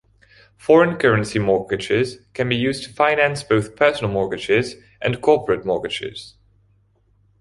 Foreign currency mortgages can be used to finance both personal mortgages and corporate mortgages.